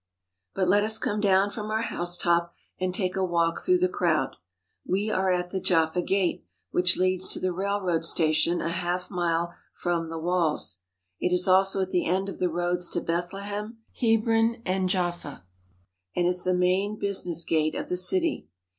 But let us come down from our housetop and take a walk through the crowd. We are at the Jaffa Gate, which leads to the railroad station a half mile from the walls. It is also at the end of the roads to Bethlehem, Hebron, and Jaffa, and is the main business gate of the city.